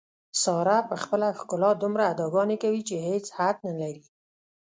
ساره په خپله ښکلا دومره اداګانې کوي، چې هېڅ حد نه لري.